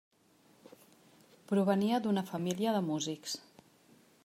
Provenia d'una família de músics.